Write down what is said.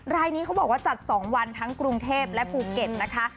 รายนี้เขาบอกว่าจัด๒วันทั้งกรุงเทพและภูเก็ตนะคะ